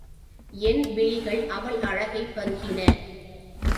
என் விழிகள் அவள் அழகைப் பருகின.